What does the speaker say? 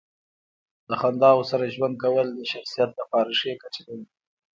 د خنداوو سره ژوند کول د شخصیت لپاره ښې ګټې لري.